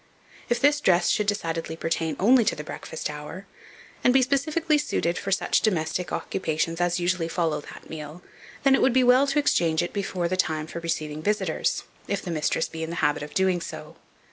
If this dress should decidedly pertain only to the breakfast hour, and be specially suited for such domestic occupations as usually follow that meal, then it would be well to exchange it before the time for receiving visitors, if the mistress be in the habit of doing so.